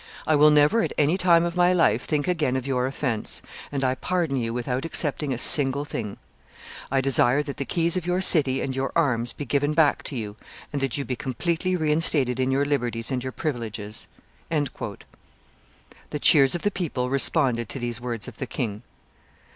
I will never at any time of my life think again of your offence, and I pardon you without excepting a single thing. I desire that the keys of your city and your arms be given back to you, and that you be completely reinstated in your liberties and your privileges." The cheers of the people responded to these words of the king.